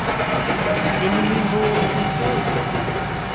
A vynnyn ni mos dhe'n sodhva?